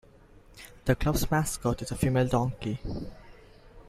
The club's mascot is a female donkey.